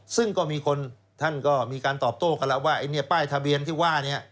ซึ่งก็มีคนท่านก็มีการตอบโต้กันแล้วว่าป้ายทะเบียนที่ว่านี้